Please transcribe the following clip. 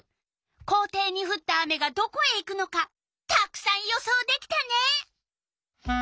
校庭にふった雨がどこへ行くのかたくさん予想できたね！